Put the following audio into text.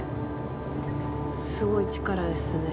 すごい力ですね。